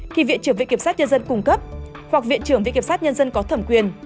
thì viện trưởng viện kiểm sát nhân dân cung cấp hoặc viện trưởng viện kiểm sát nhân dân có thẩm quyền